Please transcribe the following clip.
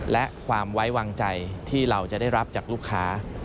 และความไว้วางใจที่เราจะได้รับจากลูกค้า